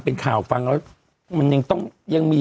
ยืนอย่างเงี้ยต้นเนี้ย